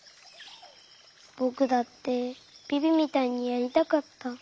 ぼくだってビビみたいにやりたかった。